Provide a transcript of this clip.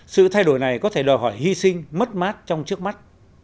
sự thay đổi này có thể đòi hỏi hy sinh mất mát trong trước mắt